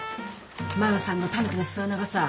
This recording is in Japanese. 万さんのタヌキの巣穴がさ